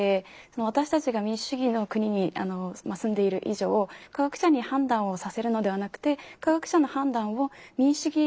私たちが民主主義の国に住んでいる以上科学者に判断をさせるのではなくて科学者の判断を民主主義